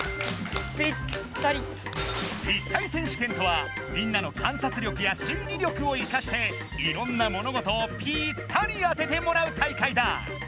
「ピッタリ選手権」とはみんなの観察力や推理力を生かしていろんな物事をぴったり当ててもらう大会だ！